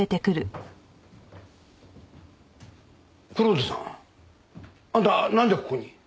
蔵人さんあんたなんでここに？